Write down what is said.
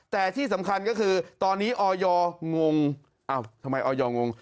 แต่ที่สำคัญก็คือตอนนี้อยงง